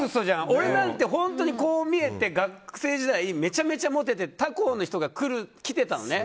俺なんて本当にこう見えて学生時代めちゃめちゃモテて他校の人が来てたのね。